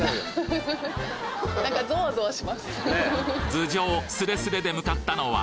頭上スレスレで向かったのは？